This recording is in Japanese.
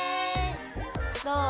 どう？